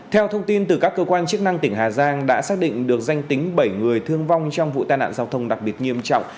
theo thông tin từ các cơ quan chức năng tỉnh hà giang đã xác định được danh tính bảy người thương vong trong vụ tai nạn giao thông đặc biệt nghiêm trọng